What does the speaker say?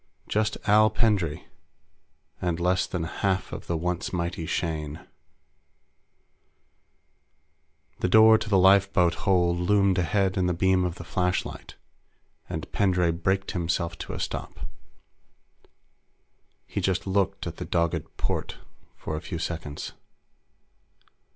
Just Al Pendray and less than half of the once mighty Shane. The door to the lifeboat hold loomed ahead in the beam of the flashlight, and Pendray braked himself to a stop. He just looked at the dogged port for a few seconds.